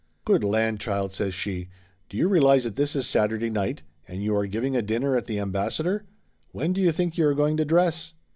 "Good land, child," says she, "do you realize that this is Saturday night, and you are giving a dinner at the Ambassador? When do you think you are going to dress?"